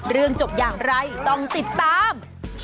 เรื่องจบอย่างไรต้องติดตาม